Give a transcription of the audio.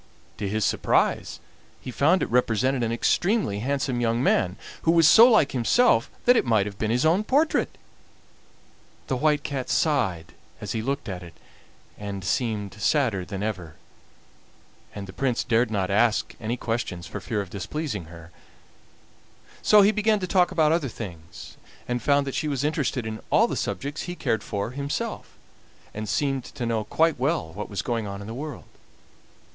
To his great surprise he found it represented an extremely handsome young man, who was so like himself that it might have been his own portrait! The White Cat sighed as he looked at it, and seemed sadder than ever, and the Prince dared not ask any questions for fear of displeasing her; so he began to talk about other things, and found that she was interested in all the subjects he cared for himself, and seemed to know quite well what was going on in the world.